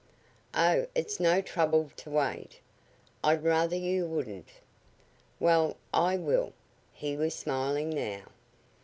"Oh, it's no trouble to wait." "I'd rather you wouldn't." "Well, I will." He was smiling now.